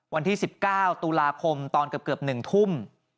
วันที่๑๙ตุลาคมตอนเกือบ๑ทุ่ม